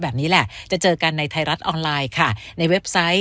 แบบนี้แหละจะเจอกันในไทยรัฐออนไลน์ค่ะในเว็บไซต์